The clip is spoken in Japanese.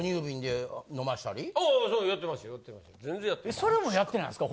それもやってないんですか？